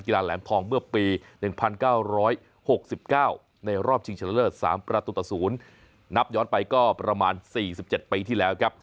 ลาแหลมทองเมื่อปี๑๙๖๙ในรอบชิงชนะเลิศ๓ประตูต่อ๐นับย้อนไปก็ประมาณ๔๗ปีที่แล้วครับ